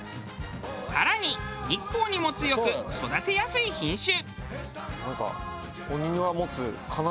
更に日光にも強く育てやすい品種。